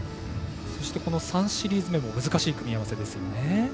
そして３シリーズ目も難しい組み合わせですよね。